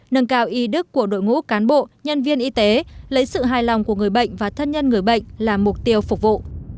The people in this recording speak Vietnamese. nâng cao y đức của đội ngũ cán bộ nhân viên y tế lấy sự hài lòng của người bệnh và thân nhân người bệnh là mục tiêu phục vụ